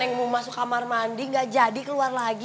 neng mau masuk kamar mandi gak jadi keluar lagi